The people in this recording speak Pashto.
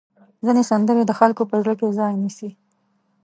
ځینې سندرې د خلکو په زړه کې ځای نیسي.